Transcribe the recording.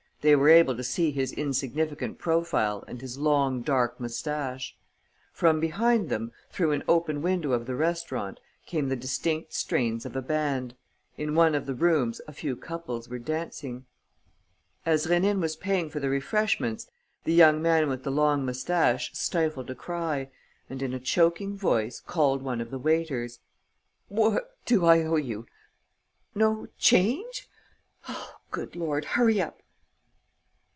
They were able to see his insignificant profile and his long, dark moustache. From behind them, through an open window of the restaurant, came the distant strains of a band; in one of the rooms a few couples were dancing. As Rénine was paying for the refreshments, the young man with the long moustache stifled a cry and, in a choking voice, called one of the waiters: "What do I owe you?... No change? Oh, good Lord, hurry up!"